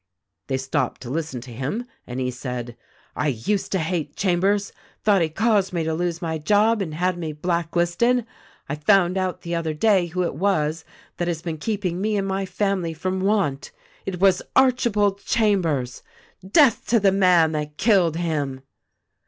"They stopped to listen to him and he said, T used to hate Chambers ; thought he caused me to lose my job and had me blacklisted — I found out the other day who it was that has been keeping me and my family from want. It was Archi bald Chambers. Death to the man that killed him